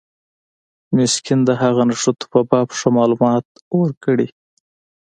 مسکین د هغو نښتو په باب ښه معلومات ورکړي.